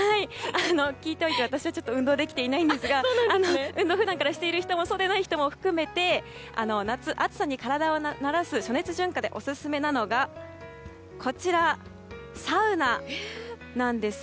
聞いておいて、私はちょっと運動できていないんですが運動を普段からできている人もそうでない人も含め夏、暑さに体を慣らす暑熱順化でオススメなのが、サウナです。